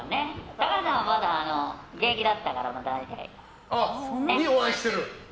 高橋さんはまだ現役だったからその時にお会いしてる？